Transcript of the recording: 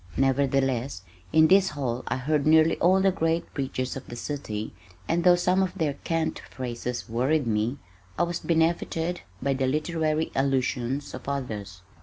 Nevertheless in this hall I heard nearly all the great preachers of the city, and though some of their cant phrases worried me, I was benefited by the literary allusions of others.